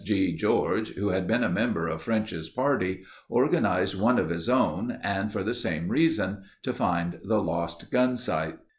George, who had been a member of French's party, organized one of his own and for the same reason—to find the Lost Gunsight.